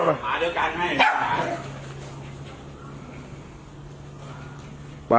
ที่นี่ก็มีสองตัว